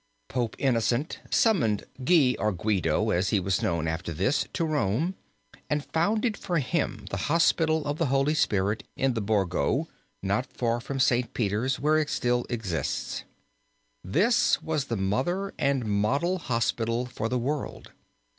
Pope Innocent summoned Guy, or Guido as he was known after this, to Rome and founded for him the hospital of the Holy Spirit in the Borgo, not far from St. Peter's, where it still exists. This was the mother and model hospital for the world.